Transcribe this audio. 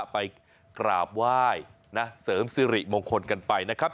ไปกราบไหว้เสริมสิริมงคลกันไปนะครับ